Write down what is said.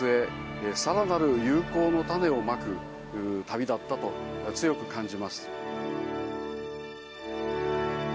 さらなる友好の種をまく旅だったと強く感じます。